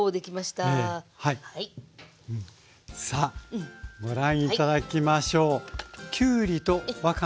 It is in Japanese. さあご覧頂きましょう。